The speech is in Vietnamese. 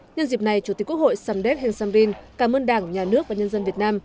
nhân dịp này chủ tịch quốc hội samdek heng samrin cảm ơn đảng nhà nước và nhân dân việt nam